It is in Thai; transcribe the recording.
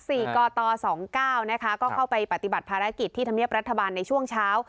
กตสองเก้านะคะก็เข้าไปปฏิบัติภารกิจที่ธรรมเนียบรัฐบาลในช่วงเช้า